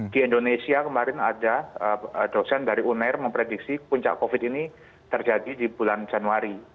di indonesia kemarin ada dosen dari uner memprediksi puncak covid ini terjadi di bulan januari